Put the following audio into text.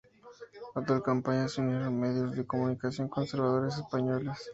A tal campaña se unieron medios de comunicación conservadores españoles.